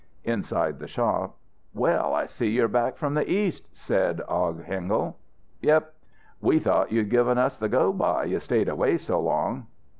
Inside the shop. "Well, I see you're back from the East," said Aug Hengel. "Yep." "We thought you'd given us the go by, you stayed away so long."